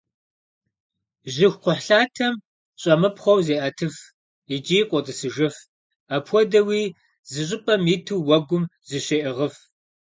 Жьыхукхъухьлъатэм щӏэмыпхъуэу зеӏэтыф икӏи къотӏысыжыф, апхуэдэуи зы щӏыпӏэм иту уэгум зыщеӏыгъыф.